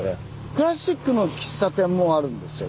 クラシックの喫茶店もあるんですよ